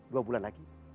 dua bulan lagi